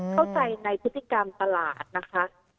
เข้าใจในพฤติกรรมตลาดนะคะ